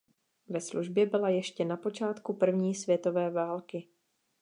Ve službě byla ještě na počátku první světové války.